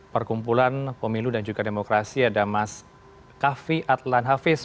perkumpulan pemilu dan juga demokrasi ada mas kavi adlan hafiz